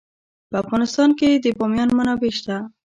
په افغانستان کې د بامیان منابع شته.